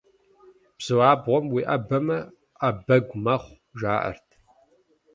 Бзу абгъуэм уиӏэбэмэ, ӏэ бэгу мэхъу, жаӏэрт.